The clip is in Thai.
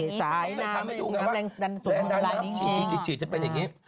ใช้น้ำทำแรงดันน้ำฉีดจะเป็นอย่างนี้